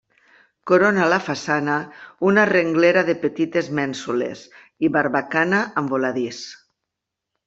Corona la façana una renglera de petites mènsules i barbacana amb voladís.